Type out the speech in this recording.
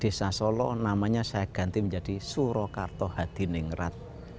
desa solo namanya saya ganti menjadi surokarto hadiningrat